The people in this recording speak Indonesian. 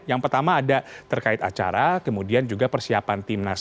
yang pertama ada terkait acara kemudian juga persiapan timnas